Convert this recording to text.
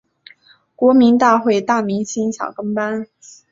国民大会大明星小跟班